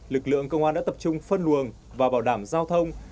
lực lượng công an đã tập trung phân luồng và bảo đảm giao thông